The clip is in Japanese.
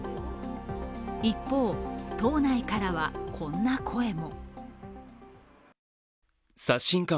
一方、党内からはこんな声も。